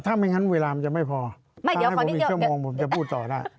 ถ้าไม่งั้นเวลามันจะไม่พอทำให้ผมอีกชั่วโมงผมจะพูดต่อได้